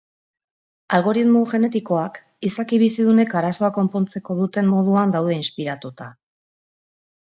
Algoritmo genetikoak izaki bizidunek arazoak konpontzeko duten moduan daude inspiratuta.